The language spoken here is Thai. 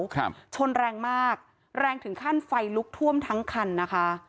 ครับชนแรงมากแรงถึงขั้นไฟลุกท่วมทั้งคันนะคะ